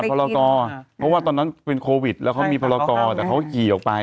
เพราะว่าตอนนั้นเป็นโควิดแล้วเขามีพรกรแต่เขาขี่ออกไป